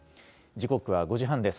時刻は５時半です。